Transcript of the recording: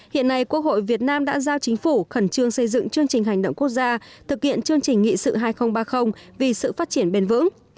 hiện nay quốc hội việt nam đã giao chính phủ khẩn trương xây dựng chương trình hành động quốc gia thực hiện chương trình nghị sự hai nghìn ba mươi vì sự phát triển bền vững